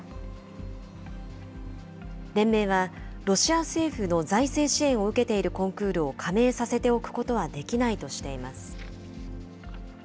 連盟は、ロシア政府の財政支援を受けているコンクールを加盟させておくことはできないとしています。